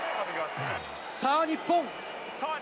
さあ、日本。